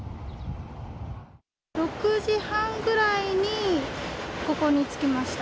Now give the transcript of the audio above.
６時半ぐらいにここに着きました。